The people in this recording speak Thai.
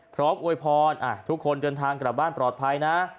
อวยพรทุกคนเดินทางกลับบ้านปลอดภัยนะ